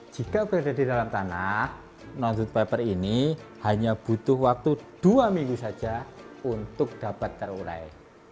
jika berada di dalam tanah non good paper ini hanya butuh waktu dua minggu saja untuk dapat terurai